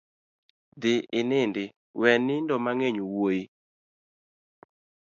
Dhi inindi we nindo mang'eny wuoi.